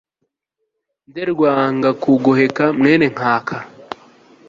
nde rwangakugoheka mwene nkaka